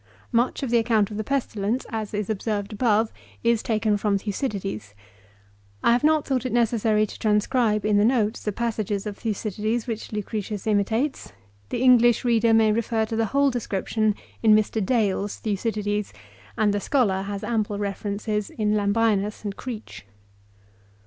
Much of the account of the pestilence, as is observed above, is taken from Thucydides. I have not Uioup^ht it necessary to trans cribe in the notes the passages of Thucydides which Lucretius imi tates ; the English reader may refer to the whole description in Mr. Dale's Thucydides; and the scholar has ample references in Lam binus and Creech.